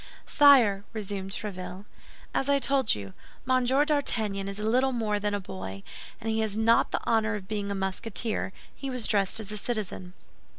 "Sire," resumed Tréville, "as I told you, Monsieur d'Artagnan is little more than a boy; and as he has not the honor of being a Musketeer, he was dressed as a citizen.